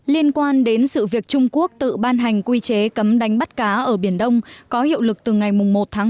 liên quan đến sự việc trung quốc tự ban hành quy chế cấm đánh bắt cá ở biển đông có hiệu lực từ ngày một tháng năm